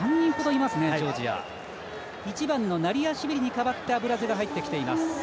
１番のナリアシビリに代わってアブラゼが入ってきています。